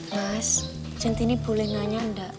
mas centini boleh nanya enggak